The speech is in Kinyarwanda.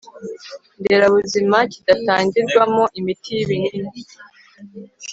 nderabuzima kidatangirwamo imiti yibinini